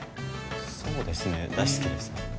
そうですね大好きですね。